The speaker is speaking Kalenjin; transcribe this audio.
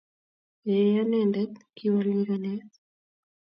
eeh anendet, kiwol nyikanet